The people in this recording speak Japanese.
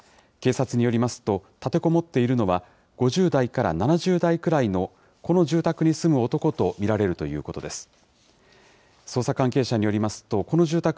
警察によりますと、立てこもっているのは、５０代から７０代くらいのこの住宅に住む男と見られるということです。